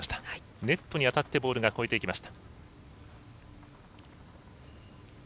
ネットに当たってボールが越えていきました。